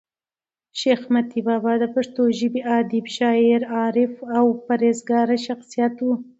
شېخ متي بابا دپښتو ژبي ادیب، شاعر، عارف او پر هېزګاره شخصیت وو.